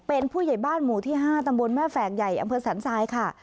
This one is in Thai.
เป็นผู้ใหญ่บ้านหมู่ที่๕ตำบลแม่แฝกใหญ่อำเภอสันทรายค่ะ